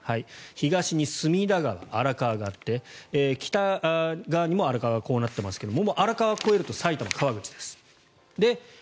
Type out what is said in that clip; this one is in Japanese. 東に隅田川、荒川があって北側にも荒川がこうなっていますが荒川越えると埼玉・川口です。